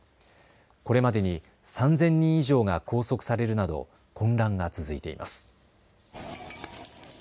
これまでに３０００人以上が拘束されるなど混乱が続いています。